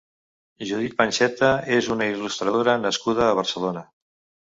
Judit Panxeta és una il·lustradora nascuda a Barcelona.